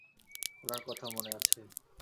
ওনার কথা মনে আছে?